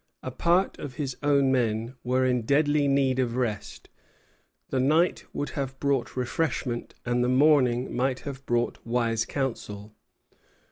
A part of his own men were in deadly need of rest; the night would have brought refreshment, and the morning might have brought wise counsel.